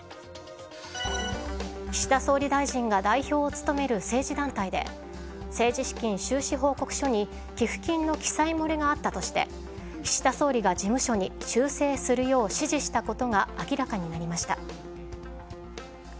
岸田総理大臣が代表を務める政治団体で政治資金収支報告書に寄付金の記載漏れがあったとして岸田総理が事務所に修正するよう指示したことが明らかになりました。